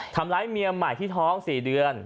ทำร้ายเมียใหม่ที่ท้อง๔เดือน